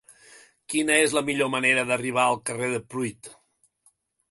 Quina és la millor manera d'arribar al carrer de Pruit?